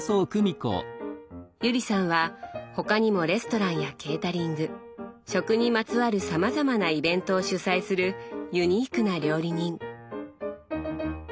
友里さんは他にもレストランやケータリング「食」にまつわるさまざまなイベントを主催するユニークな料理人。